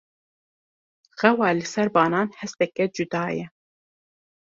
Xewa li ser banan hesteke cuda ye.